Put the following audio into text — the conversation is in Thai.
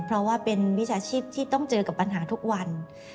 เพราะว่าเป็นวิชาชีพที่ต้องเจอกับปัญหาทุกวัน